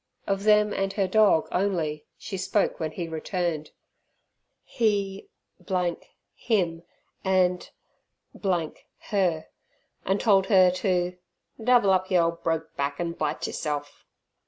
Of them and her dog only she spoke when he returned. He d d him, and d d her, and told her to "double up yer ole broke back an' bite yerself".